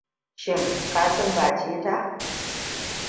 Shin ka sumbace ta?